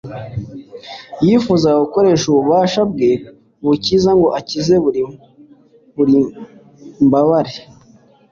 Yifuzaga gukoresha ububasha Bwe bukiza ngo akize buri mbabare.